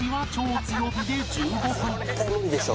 絶対無理でしょ。